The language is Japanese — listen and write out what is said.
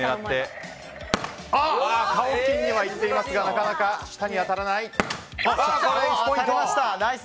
顔付近にはいっていますがなかなか舌に当たらない。